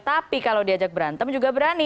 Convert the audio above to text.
tapi kalau diajak berantem juga berani